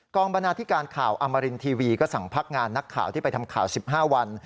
บรรณาธิการข่าวอมรินทีวีก็สั่งพักงานนักข่าวที่ไปทำข่าว๑๕วัน